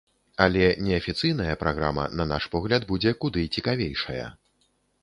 Але неафіцыйная праграма, на наш погляд, будзе куды цікавейшая.